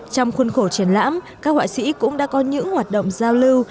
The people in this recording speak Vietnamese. trong khuôn khổ triển lãm các họa sĩ cũng đã có những hoạt động giao lưu